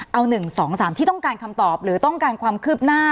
เอา๑๒๓ที่ต้องการคำตอบหรือต้องการความคืบหน้า